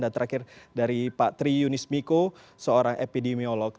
dan terakhir dari pak tri yunis miko seorang epidemiolog